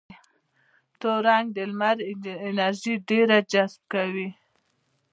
تور رنګ د لمر انرژي ډېره جذبه کوي.